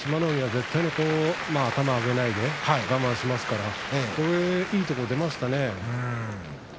海は絶対に頭を上げないで我慢しますからいいところが出ましたね。